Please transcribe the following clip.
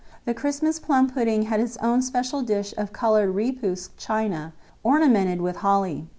The Christmas plum pudding had its own special dish of coloured "repoussé" china, ornamented with holly.